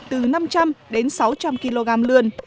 từ năm trăm linh đến sáu trăm linh kg lươn